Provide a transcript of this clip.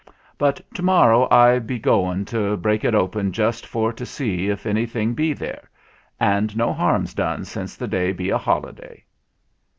But to morrow I be going to break it open just for to see if any thing be there. And no harm's done since the day be a holiday."